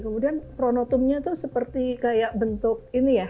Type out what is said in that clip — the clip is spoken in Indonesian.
kemudian pronotomnya tuh seperti kayak bentuk ini ya